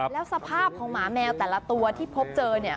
แล้วสภาพของหมาแมวแต่ละตัวที่พบเจอเนี่ย